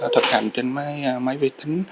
thực hành trên máy vệ tính